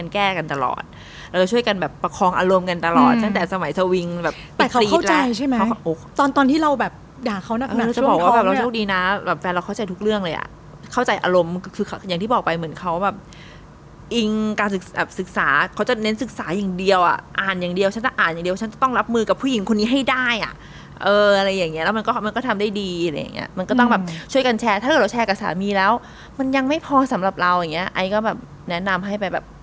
แก้กันตลอดเราก็ช่วยกันแบบประคองอารมณ์กันตลอดตั้งแต่สมัยสวิงแบบแต่เขาเข้าใจใช่ไหมตอนตอนที่เราแบบด่าเขานักนักนักจะบอกว่าแบบเราโชคดีนะแบบแฟนเราเข้าใจทุกเรื่องเลยอ่ะเข้าใจอารมณ์คือค่ะอย่างที่บอกไปเหมือนเขาแบบอิงการศึกษาเขาจะเน้นศึกษาอย่างเดียวอ่ะอ่านอย่างเดียวฉันจะอ่านอย่างเดีย